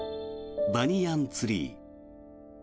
バニヤンツリー。